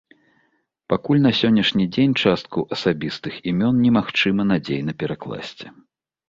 Пакуль на сённяшні дзень частку асабістых імён не магчыма надзейна перакласці.